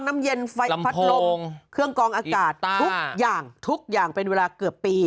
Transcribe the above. น้ำเย็นไฟพัดลมเครื่องกองอากาศทุกอย่างทุกอย่างเป็นเวลาเกือบปี